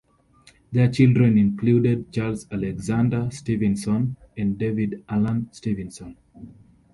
Their children included Charles Alexander Stevenson and David Alan Stevenson.